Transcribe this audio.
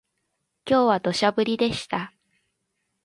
今日は土砂降りでした